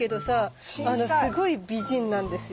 すごい美人なんですよ。